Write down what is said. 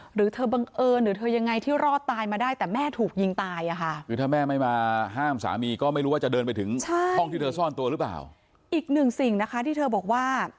หรือเธอบังเอิญหรือเธอยังไงที่รอดตายมาได้แต่แม่ถูกยิงตายอ่ะค่ะ